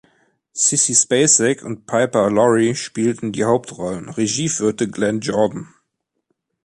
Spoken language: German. Sissy Spacek und Piper Laurie spielten die Hauptrollen, Regie führte Glenn Jordan.